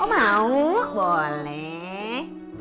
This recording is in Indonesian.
oh mau boleh